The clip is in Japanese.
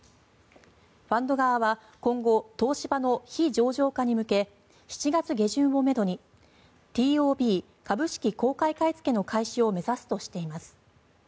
ファンド側は今後東芝の非上場化に向け７月下旬をめどにＴＯＢ・株式公開買いつけの開始を目指すとしています。